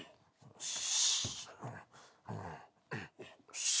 よし。